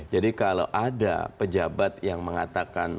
jadi kalau ada pejabat yang mengatakan